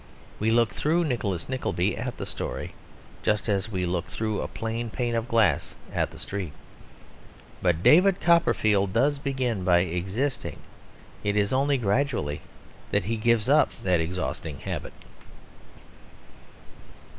We look through Nicholas Nickleby at the story just as we look through a plain pane of glass at the street. But David Copperfield does begin by existing; it is only gradually that he gives up that exhausting habit.